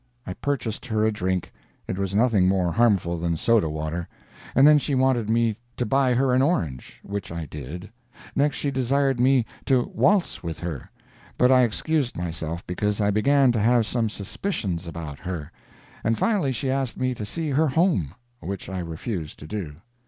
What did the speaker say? I purchased her a drink—it was nothing more harmful than soda water—and then she wanted me to buy her an orange, which I did; next she desired me to waltz with her, but I excused myself because I began to have some suspicions about her; and finally she asked me to see her home, which I refused to do.